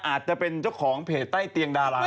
อาจจะเป็นเจ้าของเพจใต้เตียงดารา